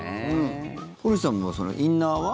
古市さんもインナーは？